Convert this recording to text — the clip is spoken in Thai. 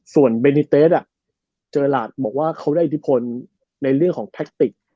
ส่วนเบนิเตสเจอหลาดบอกว่าเขาได้อิทธิพลในเรื่องของแท็กติก